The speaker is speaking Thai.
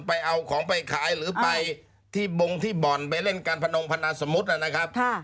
ไปเอาของไปขายหรือไปที่บงที่บ่อนไปเล่นการพนมพนาสมมุตินะครับ